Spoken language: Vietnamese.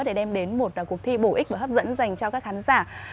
để đem đến một cuộc thi bổ ích và hấp dẫn dành cho các khán giả